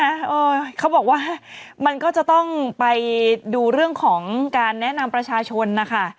เออเขาบอกว่ามันก็จะต้องไปดูเรื่องของการแนะนำประชาชนนะคะ